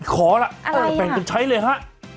ขอล่ะแบ่งกันใช้เลยฮะ